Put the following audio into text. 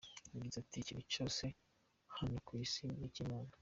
Yagize ati “Ikintu cyose hano ku Isi ni icy’Imana.